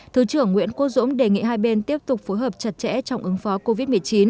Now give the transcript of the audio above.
thứ trưởng nguyễn quốc dũng đề nghị hai bên tiếp tục phối hợp chặt chẽ trong ứng phó covid một mươi chín